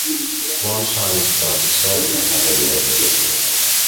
Launch time is about to start and I haven’t nailed the picture.